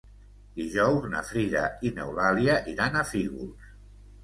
Dijous na Frida i n'Eulàlia iran a Fígols.